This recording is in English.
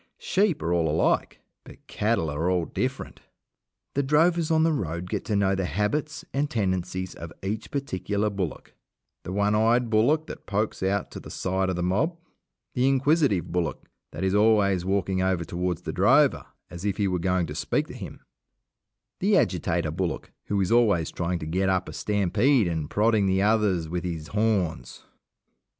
Sheep are all alike, but cattle are all different. The drovers on the road get to know the habits and tendencies of each particular bullock the one eyed bullock that pokes out to the side of the mob, the inquisitive bullock that is always walking over towards the drover as if he were going to speak to him, the agitator bullock who is always trying to get up a stampede and prodding the others with his horns.